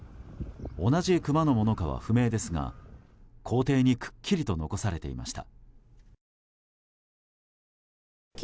同じクマのものかは不明ですが校庭にくっきりと残されていました。